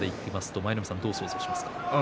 舞の海さん、どう想像しますか？